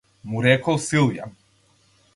му рекол Силјан.